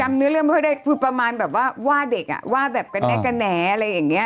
เนื้อเรื่องพ่อได้คือประมาณแบบว่าว่าเด็กอ่ะว่าแบบกระแนะกระแหน่อะไรอย่างเงี้